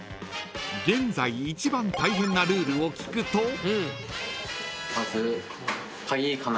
［現在一番大変なルールを聞くと］